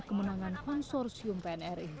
kemenangan konsorsium pnri